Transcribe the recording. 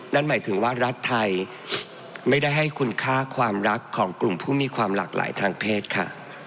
นั่นหมายถึงว่ารัฐไทยไม่ได้ให้คุณค่าความรักของกลุ่มผู้มีความหลากหลายทางเพศค่ะ